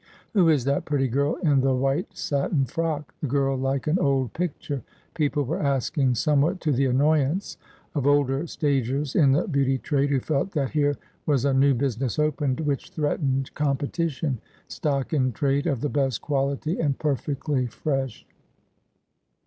' Who is that pretty girl in the white satin frock — the girl like an old picture ?' people were asking, somewhat to the annoy ance of older stagers in the beauty trade, who felt that here was a new business opened, which threatened competition, stock in trade of the best quality, and perfectly fresh.